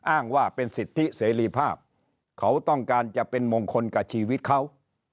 อ้างว่าเป็นสิทธิเสรีภาพเขาต้องการจะเป็นมงคลกับชีวิตเขา